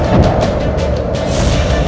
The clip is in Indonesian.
aku sudah menang